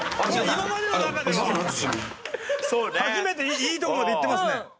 今までの中では初めていいところまでいってますね。